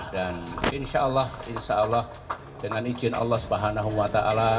dan insya allah insya allah dengan izin allah swt